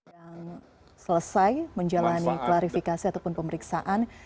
yang selesai menjalani klarifikasi ataupun pemeriksaan